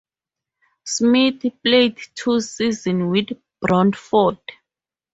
Smith played two seasons with Brantford.